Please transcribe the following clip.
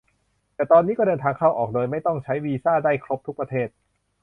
แค่ตอนนี้ก็เดินทางเข้าออกโดยไม่ต้องใช้วีซ่าได้ครบทุกประเทศ